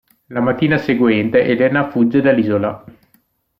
La mattina seguente Elena fugge dall’isola.